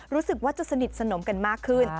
รู้สึกว่าจะสนิทสนมกันมากขึ้น